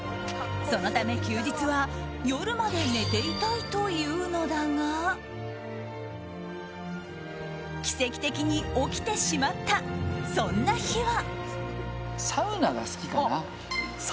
そのため、休日は夜まで寝ていたいというのだが奇跡的に起きてしまったそんな日は。